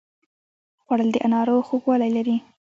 خوړل د انارو خوږوالی لري